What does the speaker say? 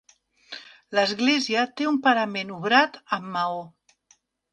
L'església té un parament obrat amb maó.